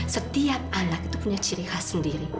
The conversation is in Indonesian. setiap anak itu punya ciri khas sendiri